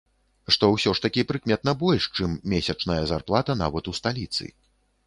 Што ўсё ж такі прыкметна больш, чым месячная зарплата нават у сталіцы.